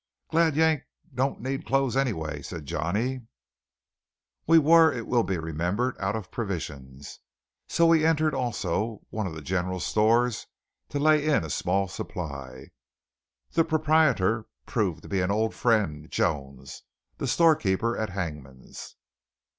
"Glad Yank don't need clothes, anyway," said Johnny. We were, it will be remembered, out of provisions, so we entered also one of the general stores to lay in a small supply. The proprietor proved to be an old friend, Jones, the storekeeper at Hangman's.